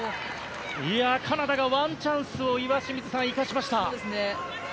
カナダがワンチャンスを岩清水さん、生かしました。